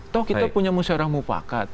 toh kita punya musyarakat mupakat